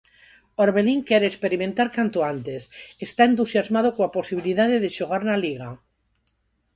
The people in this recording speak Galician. Orbelín quere experimentar canto antes, está entusiasmado coa posibilidade de xogar na Liga.